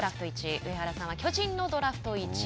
上原さんは巨人のドラフト１位。